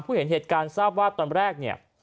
ผู้เห็นเหตุการณ์ทราบว่าตอนแรก